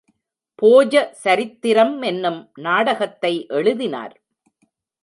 போஜ சரித்திரம் என்னும் நாடகத்தை எழுதினார்.